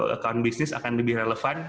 account bisnis akan lebih relevan